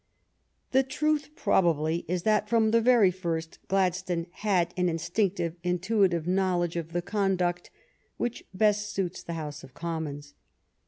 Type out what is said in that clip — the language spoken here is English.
The truth probably is that from the very first Gladstone had an instinctive, intuitive knowledge of the conduct which best suits the House of Commons.